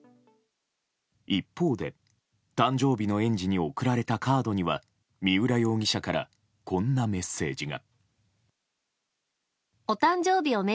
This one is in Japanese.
一方で、誕生日の園児に贈られたカードには三浦容疑者からこんなメッセージが。